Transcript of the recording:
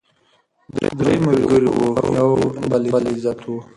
درې ملګري وه یو علم بل عزت وو